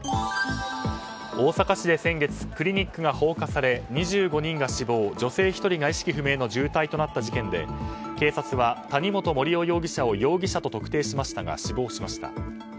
大阪市で先月クリニックが放火され２５人が死亡、女性１人が意識不明の重体となった事件で警察は谷本盛雄容疑者を容疑者と特定しましたが死亡しました。